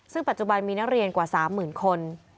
ซึ่งปัจจุบันมีนักเรียนกว่า๓๐๐๐คน